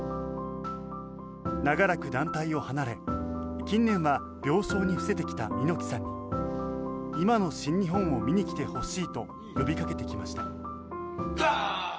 長らく団体を離れ、近年は病床に伏せてきた猪木さんに今の新日本を見にきてほしいと呼びかけてきました。